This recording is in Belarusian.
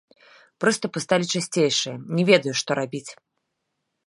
Прыступы сталі часцейшыя, не ведаю, што рабіць!